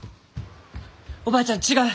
おばあちゃん違う！